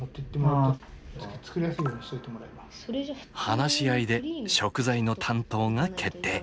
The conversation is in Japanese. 話し合いで食材の担当が決定。